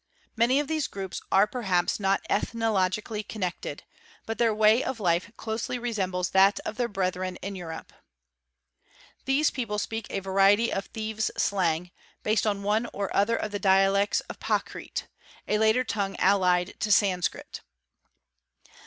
Many of these groups are perhaps not ethnologically connected, but their way of life closely resembles that of their brethern in Europe. "These people speak a variety of thieves' slang, based on one or other of the dialects of Prakrit—a later tongue allied to Sanskrit.